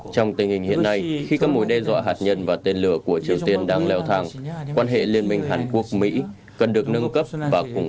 trong tình hình hiện nay khi các mối đe dọa hạt nhân và tên lửa của triều tiên đang leo thang quan hệ liên minh hàn quốc mỹ cần được nâng cấp và củng cố